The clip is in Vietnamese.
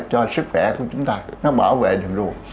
cho sức khỏe của chúng ta nó bảo vệ đường ruột